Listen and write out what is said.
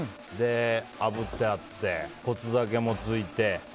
あぶってあって、骨酒もついて。